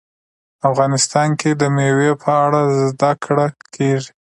افغانستان کې د مېوې په اړه زده کړه کېږي.